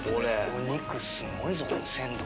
お肉すごいぞこの鮮度。